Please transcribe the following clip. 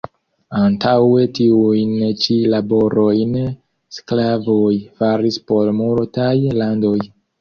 Antaŭe tiujn ĉi laborojn sklavoj faris por multaj landoj.